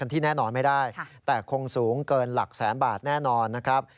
ที่แน่นอนไม่ได้แต่คงสูงเกินหลักแสนบาทแน่นอนนะครับ